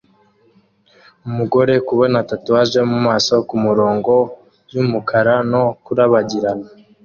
Umugore kubona tatuwaje yo mumaso kumirongo yumukara no kurabagirana